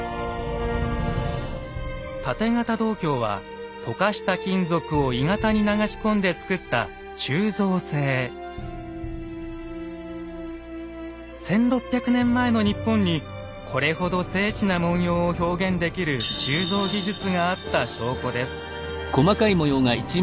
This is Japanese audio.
盾形銅鏡は溶かした金属を鋳型に流し込んで作った１，６００年前の日本にこれほど精緻な文様を表現できる鋳造技術があった証拠です。